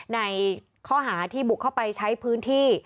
ในข้อหาที่บุกเข้าไปใช้พื้นที่